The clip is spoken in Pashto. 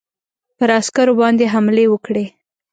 پر عسکرو باندي حملې وکړې.